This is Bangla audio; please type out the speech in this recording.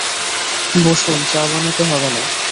বসুন, চা বানাতে হবে না।